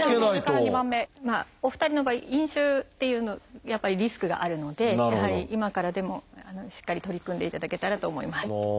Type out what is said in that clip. お二人の場合「飲酒」っていうのやっぱりリスクがあるのでやはり今からでもしっかり取り組んでいただけたらと思います。